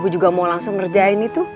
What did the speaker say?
gue juga mau langsung ngerjain itu